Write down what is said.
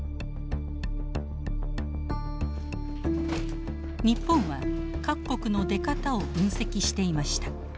日本は各国の出方を分析していました。